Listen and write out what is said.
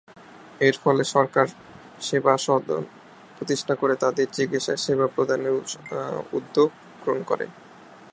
এর ফলে সরকার "সেবা সদন" প্রতিষ্ঠা করে তাদের চিকিৎসাসেবা প্রদানের উদ্যোগ গ্রহণ করে।